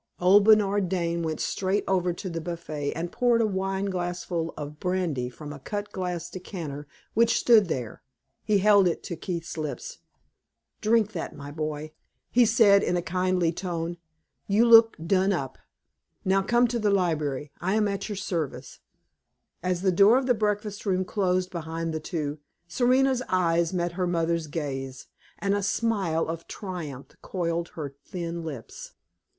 Old Bernard Dane went straight over to the buffet and poured a wine glassful of brandy from a cut glass decanter which stood there. He held it to Keith's lips. "Drink that, my boy," he said, in a kindly tone. "You look done up. Now come to the library. I am at your service." As the door of the breakfast room closed behind the two, Serena's eyes met her mother's gaze, and a smile of triumph coiled her thin lips.